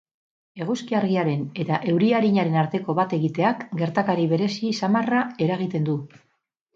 Eguzki argiaren eta euri arinaren arteko bat egiteak gertakari berezi samarra eragiten du.